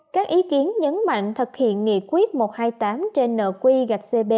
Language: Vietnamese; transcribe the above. các ý kiến nhấn mạnh thực hiện nghị quyết một trăm hai mươi tám trên nợ quy gạch cb